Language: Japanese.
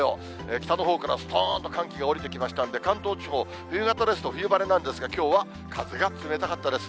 北のほうからすとーんと寒気が下りてきましたんで、関東地方、冬型ですと、冬晴れなんですが、きょうは風が冷たかったです。